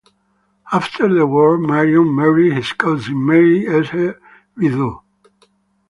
After the war, Marion married his cousin, Mary Esther Videau.